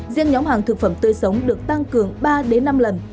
riêng nhóm hàng thực phẩm tươi sống được tăng cường ba năm lần